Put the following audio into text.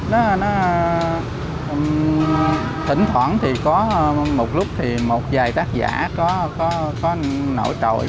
nó thỉnh thoảng thì có một lúc thì một vài tác giả có nổi trội